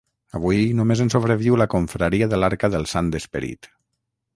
Avui, només en sobreviu la Confraria de l'Arca del Sant Esperit.